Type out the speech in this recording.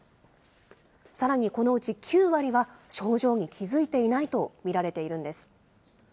さらにこのうち９割は症状に気付いていないと見られているんです。